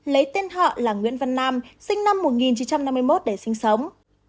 lấy tên họ là nguyễn văn nam sinh năm một nghìn chín trăm năm mươi một để sinh sống